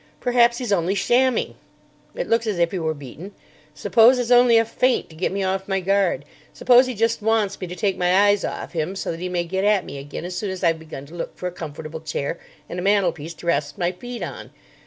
Perhaps he's only shamming! It looks as if he were beaten. Suppose it's only a feint to get me off my guard. Suppose he just wants me to take my eyes off him so that he may get at me again as soon as I've begun to look for a comfortable chair and a mantelpiece to rest my feet on!